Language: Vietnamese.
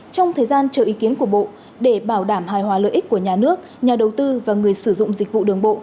trong thời gian chờ ý kiến của bộ để bảo đảm hài hòa lợi ích của nhà nước nhà đầu tư và người sử dụng dịch vụ đường bộ